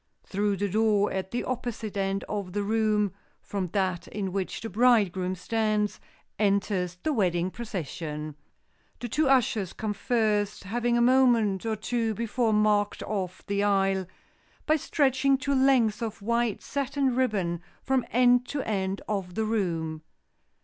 Through the door at the opposite end of the room from that in which the bridegroom stands, enters the wedding procession. The two ushers come first, having a moment or two before marked off the aisle, by stretching two lengths of white satin ribbon from end to end of the room.